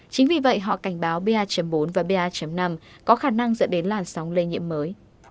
chính vì vậy họ cảnh báo ba bốn và ba năm có khả năng dẫn đến làn sóng lây nhiễm mới